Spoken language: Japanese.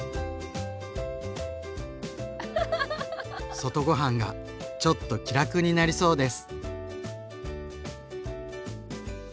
外ご飯がちょっと気楽になりそうです！